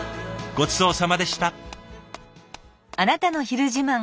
ごちそうさまでした。